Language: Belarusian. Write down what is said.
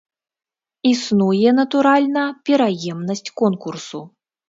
Існуе, натуральна, пераемнасць конкурсу.